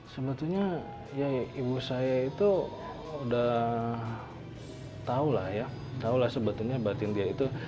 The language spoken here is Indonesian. sebenarnya ibu saya itu udah tau lah ya tau lah sebetulnya batin dia itu